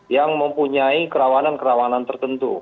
yang mempunyai kerawanan kerawanan tertentu